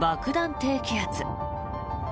低気圧。